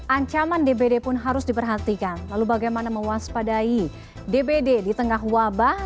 ancaman dbd pun harus diperhatikan lalu bagaimana mewaspadai dbd di tengah wabah